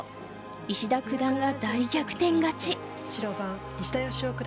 石田九段が大逆転勝ち。